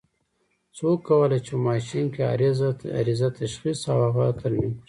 څوک کولای شي چې په ماشین کې عارضه تشخیص او هغه ترمیم کړي؟